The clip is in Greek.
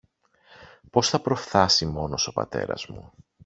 πώς θα προφθάσει μόνος ο πατέρας μου